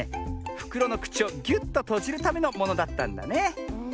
ふくろのくちをギュッととじるためのものだったんだね。